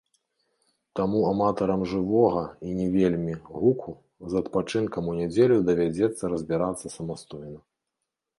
Таму аматарам жывога і не вельмі гуку з адпачынкам у нядзелю давядзецца разбірацца самастойна.